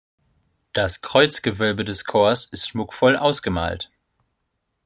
Das Kreuzgewölbe des Chors ist schmuckvoll ausgemalt.